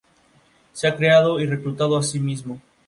Este material nuevo es poderoso.